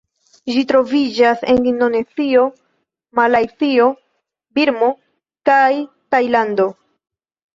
Ĝi troviĝas en Indonezio, Malajzio, Birmo kaj Tajlando.